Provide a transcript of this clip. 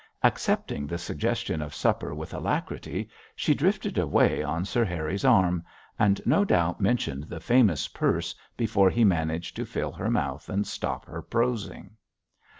Accepting the suggestion of supper with alacrity, she drifted away on Sir Harry's arm, and no doubt mentioned the famous purse before he managed to fill her mouth and stop her prosing.